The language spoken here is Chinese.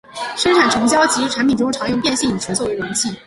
生产虫胶及其产品中常用变性乙醇作为溶剂。